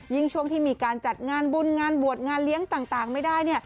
ช่วงที่มีการจัดงานบุญงานบวชงานเลี้ยงต่างไม่ได้